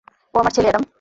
ও আমার ছেলে, অ্যাডাম।